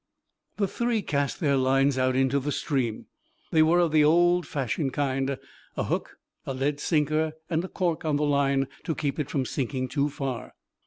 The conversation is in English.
The three cast their lines out into the stream. They were of the old fashioned kind, a hook, a lead sinker, and a cork on the line to keep it from sinking too far.